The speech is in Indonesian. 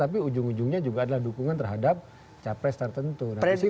tapi ujung ujungnya juga adalah dukungan terhadap capres tertentu